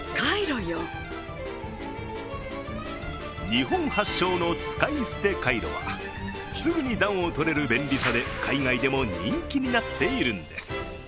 日本発祥の使い捨てカイロはすぐに暖を取れる便利さで海外でも人気になっているんです。